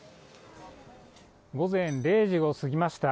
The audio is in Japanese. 午前０時を過ぎました。